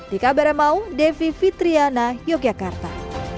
di kabar mau devi fitriana yogyakarta